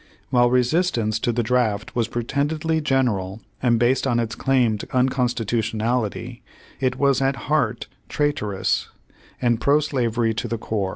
While resistance to the draft was pretendedly general, and based on its claimed unconstitution ality, it was at heart traitorous, and pro slavery to the core.